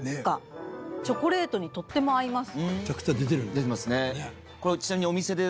チョコレートにとっても合います。